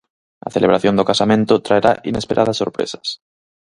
A celebración do casamento traerá inesperadas sorpresas.